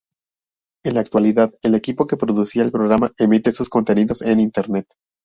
En la actualidad el equipo que producía el programa emite sus contenidos en Internet.